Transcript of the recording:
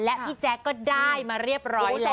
และพี่แจ๊คก็ได้มาเรียบร้อยแล้ว